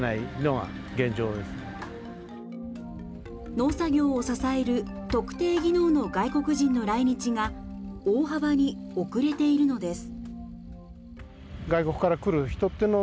農作業を支える特定技能の外国人の来日が大幅に遅れているのです。